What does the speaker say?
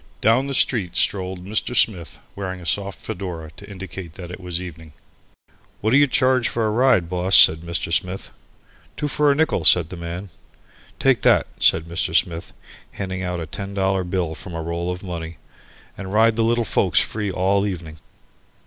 Down the street strolled Mr. Smith, wearing a soft fedora to indicate that it was evening. "What d'you charge for a ride, boss?" said Mr. Smith. "Two for a nickel," said the man. "Take that," said Mr. Smith, handing out a ten dollar bill from a roll of money, "and ride the little folks free all evening."